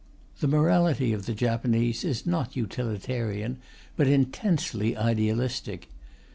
The morality of the Japanese is not utilitarian, but intensely idealistic.